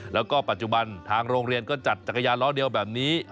แล้วก็ปัจจุบันทางโรงเรียนก็จัดจักรยานล้อเดียวแบบนี้